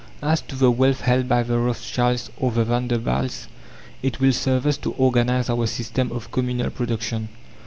As to the wealth held by the Rothschilds or the Vanderbilts, it will serve us to organize our system of communal production.